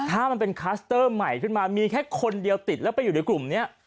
ถ้ามันเป็นคลัสเตอร์ใหม่ขึ้นมามีแค่คนเดียวติดแล้วไปอยู่ในกลุ่มนี้